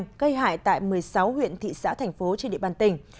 gây hại tại một mươi sáu huyện thị xã thành phố trên địa bàn tỉnh